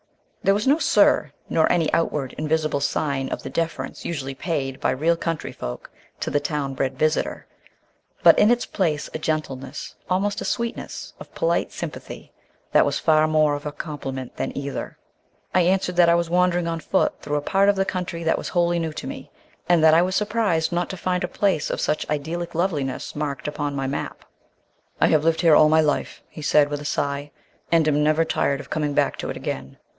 There was no "sir," nor any outward and visible sign of the deference usually paid by real country folk to the town bred visitor, but in its place a gentleness, almost a sweetness, of polite sympathy that was far more of a compliment than either. I answered that I was wandering on foot through a part of the country that was wholly new to me, and that I was surprised not to find a place of such idyllic loveliness marked upon my map. "I have lived here all my life," he said, with a sigh, "and am never tired of coming back to it again."